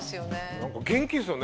なんか元気ですよね。